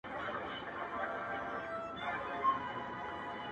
ايوب مايوس دی او خوشال يې پر څنگل ژاړي”